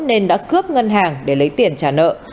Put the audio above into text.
nên đã cướp ngân hàng để lấy tiền trả nợ